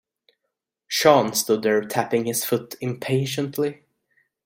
Sean stood there tapping his foot impatiently.